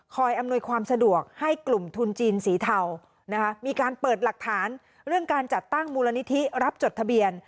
อำนวยความสะดวกให้กลุ่มทุนจีนสีเทานะคะมีการเปิดหลักฐานเรื่องการจัดตั้งมูลนิธิรับจดทะเบียน